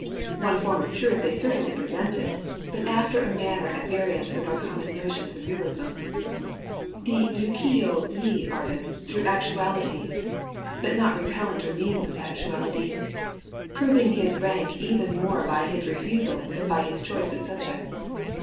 One form of truth they certainly pre sented, but after a manner at variance with our common notions of realism. The Ukiyo ye artist drew actualities, but not repellent or meaningless actualities ; proving his rank even more by his refusal than by his choice of sub jects.